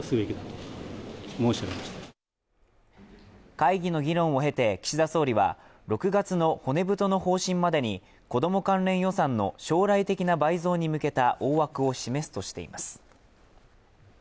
会議の議論を経て岸田総理は、６月の骨太の方針までに子ども関連予算の将来的な倍増に向けた大枠を示すとしています。